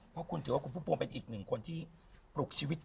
เพราะคุณถือว่าคุณพุ่มพวงเป็นอีกหนึ่งคนที่ปลุกชีวิต